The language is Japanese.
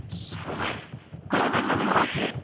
お前どの立場でものを言ってる！